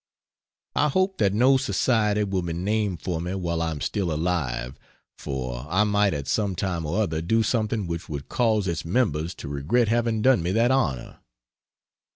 I hope that no society will be named for me while I am still alive, for I might at some time or other do something which would cause its members to regret having done me that honor.